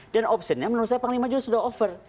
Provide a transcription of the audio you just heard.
dan optionnya menurut saya panglima juga sudah over